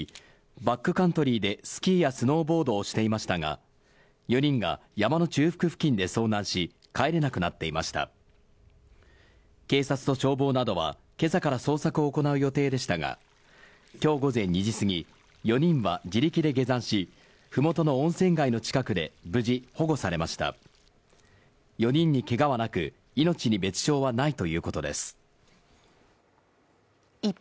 バックカントリーでスキーやスノーボードをしていましたが４人が山の中腹付近で遭難し帰れなくなっていました警察と消防などはけさから捜索を行う予定でしたがきょう午前２時過ぎ４人は自力で下山しふもとの温泉街の近くで無事保護されました４人にけがはなく命に別状はないということです一方